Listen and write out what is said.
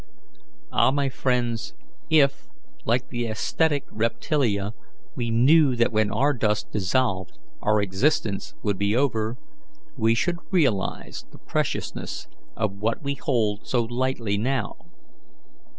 "Ah, my friends, if we had no souls if, like the aesthetic reptilia, we knew that when our dust dissolved our existence would be over we should realize the preciousness of what we hold so lightly now.